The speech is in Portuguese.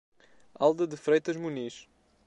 Alda de Freitas Muniz